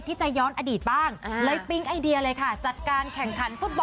ดูธรรมชาติดีนะครับ